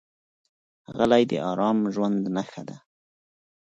غلی، د ارام ژوند نښه ده.